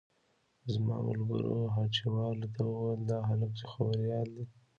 زما ملګرو هټيوالو ته وويل دا هلک خبريال دی.